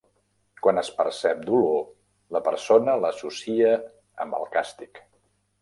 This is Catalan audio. Quan es percep dolor, la persona l'associa amb el castic.